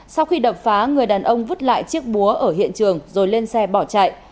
sau khi đập phá người đàn ông vứt lại chiếc búa ở hiện trường rồi lên xe bỏ chạy